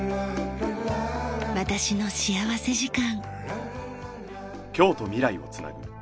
『私の幸福時間』。